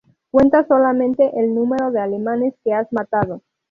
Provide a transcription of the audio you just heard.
Cuenta solamente el número de alemanes que has matado.